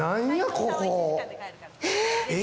ここ。